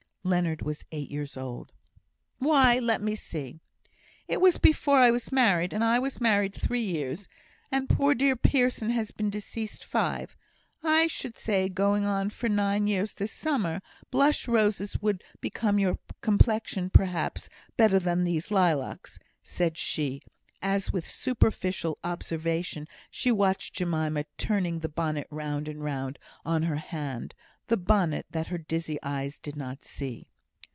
(Leonard was eight years old.) "Why let me see. It was before I was married, and I was married three years, and poor dear Pearson has been deceased five I should say going on for nine years this summer. Blush roses would become your complexion, perhaps, better than these lilacs," said she, as with superficial observation she watched Jemima turning the bonnet round and round on her hand the bonnet that her dizzy eyes did not see.